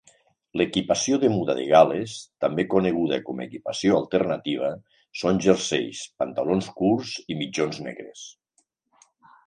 L'equipació de muda de Gal·les, també coneguda com a equipació alternativa, són jerseis, pantalons curts i mitjons negres.